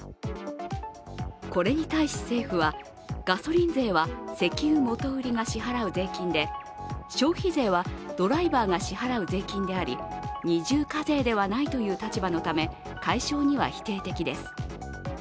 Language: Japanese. これに対し政府は、ガソリン税は石油元売りが支払う税金で消費税はドライバーが支払う税金であり二重課税ではないという立場のため解消には否定的です。